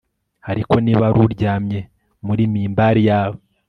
ariko niba wari uryamye muri mimbari yawe